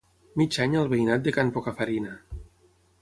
Mig any al veïnat de can Pocafarina.